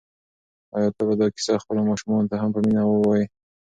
آیا ته به دا کیسه خپلو ماشومانو ته هم په مینه ووایې؟